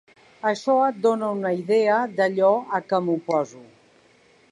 Això et dona una idea d'allò a què m'oposo.